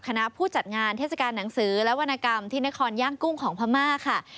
คณะผู้จัดงานเทศกาลหนังสือและวรรณกรรมที่นครย่างกุ้งของพม่าค่ะ